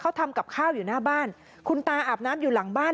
เขาทำกับข้าวอยู่หน้าบ้านคุณตาอาบน้ำอยู่หลังบ้าน